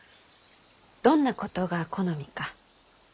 どんなことが好みか？